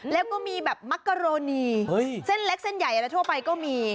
แล้วก็มีแบบมักกะโรนีเส้นเล็กเส้นใหญ่อะไรทั่วไปก็มี